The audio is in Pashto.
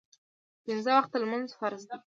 پینځه وخته لمونځ فرض دی